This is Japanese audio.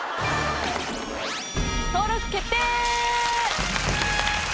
登録決定！